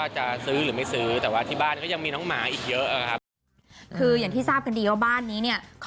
จุดว่าบ้านเขาเลี้ยงหมาเยอะมาก